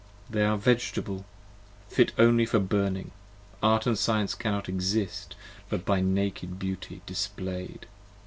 they are Vegetable, only fit for burning. Art & Science cannot exist but by Naked Beauty display 'd.